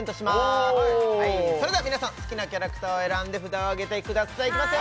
おおそれでは皆さん好きなキャラクターを選んで札をあげてくださいいきます